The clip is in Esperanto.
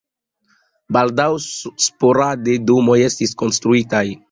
Baldaŭ sporade domoj estis konstruitaj.